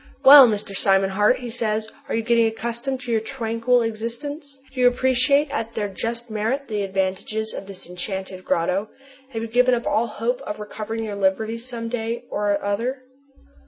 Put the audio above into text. "Well, Mr. Simon Hart," he says, "are you getting accustomed to your tranquil existence? Do you appreciate at their just merit the advantages of this enchanted grotto? Have you given up all hope of recovering your liberty some day or other?"